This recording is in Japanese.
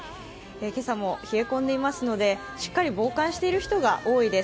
今朝も冷え込んでいますのでしっかり防寒している人が多いです。